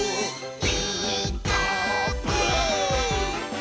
「ピーカーブ！」